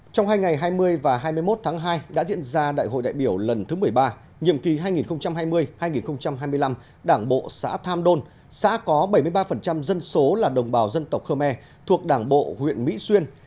trong hai ngày hai mươi và hai mươi một tháng hai đã diễn ra đại hội đại biểu lần thứ một mươi ba nhiệm kỳ hai nghìn hai mươi hai nghìn hai mươi năm đảng bộ xã tham đôn xã có bảy mươi ba dân số là đồng bào dân tộc khơ me thuộc đảng bộ huyện mỹ xuyên